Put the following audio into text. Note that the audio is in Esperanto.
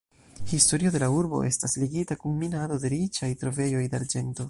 Historio de la urbo estas ligita kun minado de riĉaj trovejoj de arĝento.